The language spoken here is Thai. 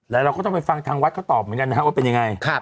แล้วเราก็ต้องไปฟังทางวัดเขาตอบเหมือนกันนะครับว่าเป็นยังไง